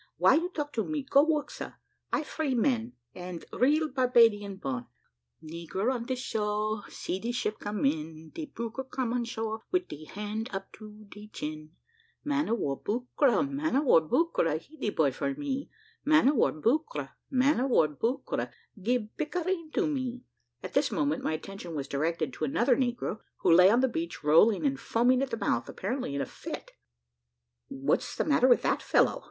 Why you talk to me? Go, work, sar. I free man, and real Barbadian born. "Negro on de shore See de ship come in, De buccra come on shore, Wid de hand up to de chin; Man of war, buccra, Man of war, buccra, He de boy for me, Man of war, buccra, Man of war, buccra, Gib pictareen to me." At this moment my attention was directed to another negro, who lay on the beach, rolling and foaming at the mouth, apparently in a fit. "What's the matter with that fellow?"